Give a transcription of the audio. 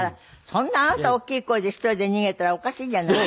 そんなあなた大きい声で１人で逃げたらおかしいじゃない。